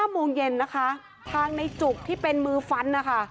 โมงเย็นนะคะทางในจุกที่เป็นมือฟันนะคะ